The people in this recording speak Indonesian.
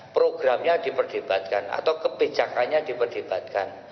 programnya diperdebatkan atau kebijakannya diperdebatkan